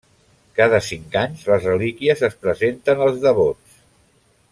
Cada cinc anys les relíquies es presenten als devots.